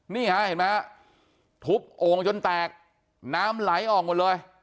นี่ฮะเห็นไหมฮะทุบโอ่งจนแตกน้ำไหลออกหมดเลย